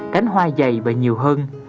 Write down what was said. cánh hoa dày và nhiều hơn